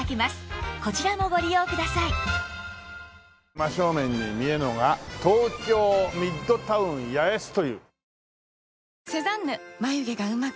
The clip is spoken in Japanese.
真正面に見えるのが東京ミッドタウン八重洲という。